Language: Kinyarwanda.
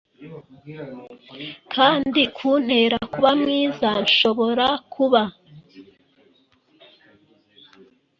kandi kuntera kuba mwiza nshobora kuba.